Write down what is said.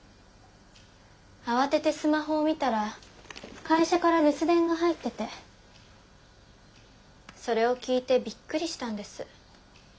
慌ててスマホを見たら会社から留守電が入っててそれを聞いてびっくりしたんです。